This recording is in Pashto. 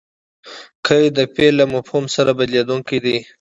قید؛ د فعل له مفهوم سره بدلېدونکی دئ.